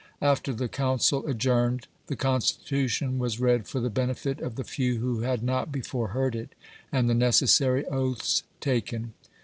After the council adjourned, the Constitution was read for the benefit of the few who had not before heard it, and the necessary oaths taken.